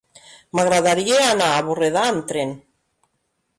M'agradaria anar a Borredà amb tren.